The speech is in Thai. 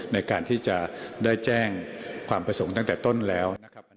ในการที่จะได้แจ้งความประสงค์ตั้งแต่ต้นแล้วนะครับ